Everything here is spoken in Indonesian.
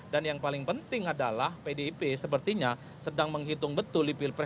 dan yang paling penting adalah pdip sepertinya sedang menghitung betul di pilpres dua ribu dua puluh empat